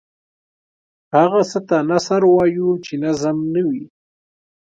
هغه څه ته نثر وايو چې نظم نه وي.